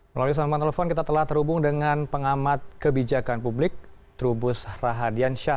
melalui saluran telepon kita telah terhubung dengan pengamat kebijakan publik trubus rahadian syah